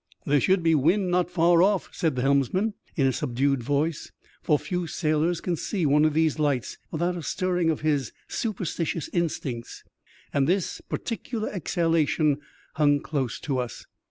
" There should be wind not far off," said the helms man, in a subdued voice, for few sailors can see one of these lights without a stirring of his superstitious in stincts ; and this particular exhalation hung close to us.